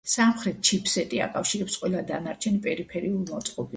სამხრეთ ჩიპსეტი აკავშირებს ყველა დანარჩენ პერიფერულ მოწყობილობას.